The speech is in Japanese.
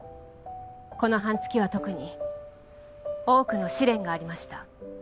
この半月は特に多くの試練がありました